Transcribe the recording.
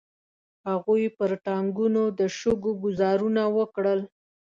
هغوی پر ټانګونو د شګو ګوزارونه وکړل.